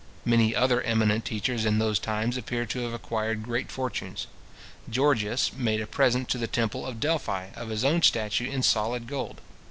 Many other eminent teachers in those times appear to have acquired great fortunes. Georgias made a present to the temple of Delphi of his own statue in solid gold.